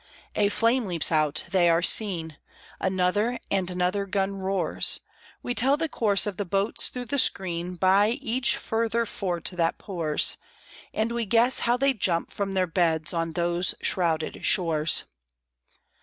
A flame leaps out; they are seen; Another and another gun roars; We tell the course of the boats through the screen By each further fort that pours, And we guess how they jump from their beds on those shrouded shores.